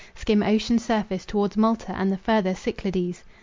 skim ocean's surface towards Malta and the further Cyclades.